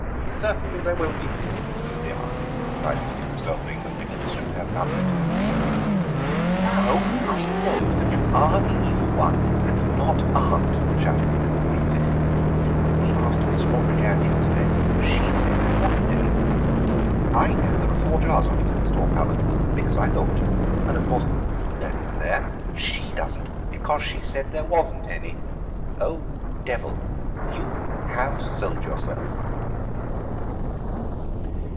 "Certainly there will be," said the aunt, privately resolving that Nicholas should have none of it. "Now I know that you are the Evil One and not aunt," shouted Nicholas gleefully; "when we asked aunt for strawberry jam yesterday she said there wasn't any. I know there are four jars of it in the store cupboard, because I looked, and of course you know it's there, but she doesn't, because she said there wasn't any. Oh, Devil, you have sold yourself!"